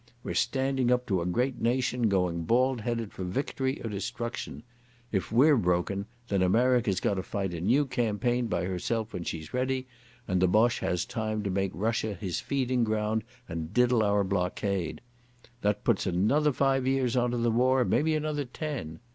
We're standing up to a great nation going bald headed for victory or destruction. If we're broken, then America's got to fight a new campaign by herself when she's ready, and the Boche has time to make Russia his feeding ground and diddle our blockade. That puts another five years on to the war, maybe another ten.